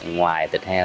ngoài thịt heo